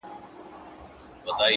ه تا ويل اور نه پرېږدو تنور نه پرېږدو ـ